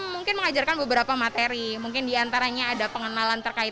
mungkin mengajarkan beberapa materi mungkin diantaranya ada pengenalan terkait